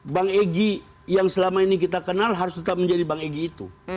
bang egy yang selama ini kita kenal harus tetap menjadi bang egy itu